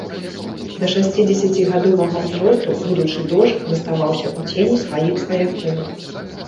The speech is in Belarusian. Да шасцідзесяцігадовага ўзросту будучы дож заставаўся ў цені сваіх сваякоў.